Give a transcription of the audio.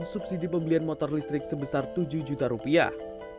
subsidi pembelian motor listrik sebesar tujuh juta rupiah